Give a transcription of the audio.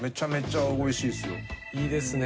いいですね